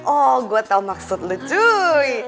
oh gua tau maksud lo cuy